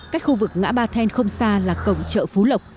cách khu vực ngã ba then không xa là cổng chợ phú lộc